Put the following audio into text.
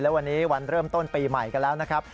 และวันนี้วันเริ่มต้นปีใหม่กันแล้วนะครับ